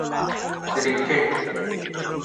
🏏 کرکټ